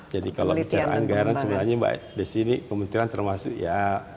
jadi kalau bicara anggaran sebenarnya mbak di sini pemerintahan termasuk ya